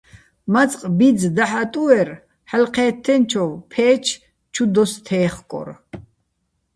მაწყ ბიძ დაჰ̦ ატუ́ერ, ჰ̦ალო̆ ჴე́თთენჩოვ ფე́ჩ ჩუ დოს თე́ხკორ.